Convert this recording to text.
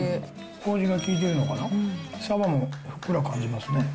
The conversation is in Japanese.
こうじが効いてるのかな、サバもふっくら感じますね。